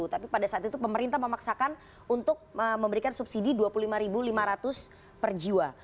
tapi pada saat itu pemerintah memaksakan untuk memberikan subsidi rp dua puluh lima lima ratus per jiwa